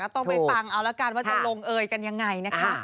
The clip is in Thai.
ต้องไปฟังเอาละกันว่าจะลงเอยกันยังไงนะคะ